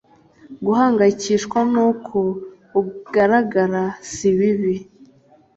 Guhangayikishwa nuko ugaragara si bibi.